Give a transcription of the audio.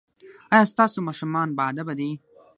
ایا ستاسو ماشومان باادبه دي؟